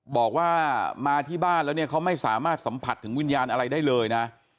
บอกว่ามาที่บ้านแล้วเนี่ยเขาไม่สามารถสัมผัสถึงวิญญาณอะไรได้เลยนะ